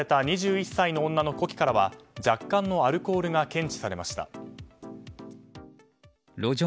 逮捕された２１歳の女の呼気からは若干のアルコールが検出されました。